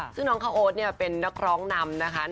ซึ่งน้องข้าวโอ๊ตเนี่ยเป็นนักร้องนำนะคะ